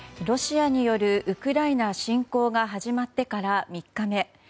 ロシアによるウクライナ侵攻が始まってから３日目。